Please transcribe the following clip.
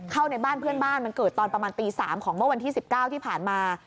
ในบ้านเพื่อนบ้านมันเกิดตอนประมาณตี๓ของเมื่อวันที่๑๙ที่ผ่านมา